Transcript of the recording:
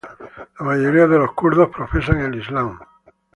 La mayoría de los kurdos profesa el islam.